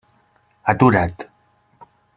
Atura't!